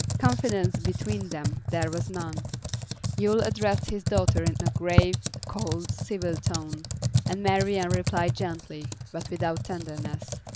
Confidence between them there was none; Yule addressed his daughter in a grave, cold, civil tone, and Marian replied gently, but without tenderness.